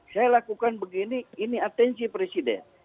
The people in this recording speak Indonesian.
saya lakukan begini ini atensi presiden